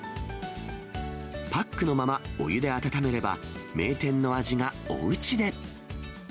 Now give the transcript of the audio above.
パックのままお湯で温めれば、名店の味がおうちで。